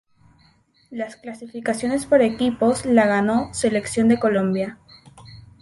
Las clasificaciones por equipos la ganó "Selección de Colombia".